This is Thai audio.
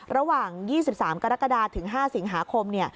ระหว่าง๒๓กรกฎาถึง๕สิงหาคม